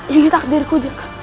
ini takdirku jaka